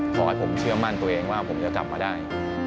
เพราะให้ผมเชื่อมั่นตัวเองว่าผมจะกลับมาได้